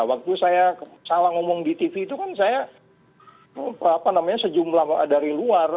waktu saya salah ngomong di tv itu kan saya sejumlah dari luar